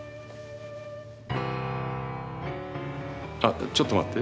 あちょっと待って。